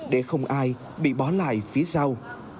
để không ai bị bỏ lại phía sau